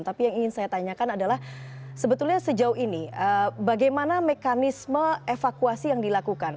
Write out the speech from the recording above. tapi yang ingin saya tanyakan adalah sebetulnya sejauh ini bagaimana mekanisme evakuasi yang dilakukan